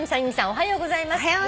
おはようございます。